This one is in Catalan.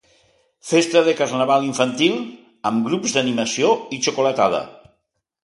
Festa de carnaval infantil, amb grups d'animació i xocolatada.